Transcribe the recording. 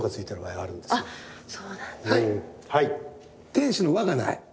天使の輪がない。